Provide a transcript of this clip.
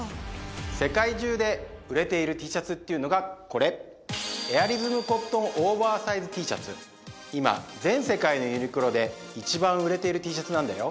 世界中で売れているＴシャツっていうのがこれ今全世界のユニクロで一番売れているＴシャツなんだよ